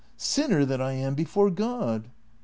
Sinner that I am before God !